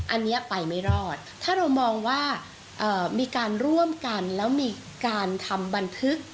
อันนี้ไปไม่รอดถ้าเรามองว่ามีการร่วมกันแล้วมีการทำบันทึก